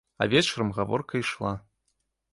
А вечарам гаворка ішла.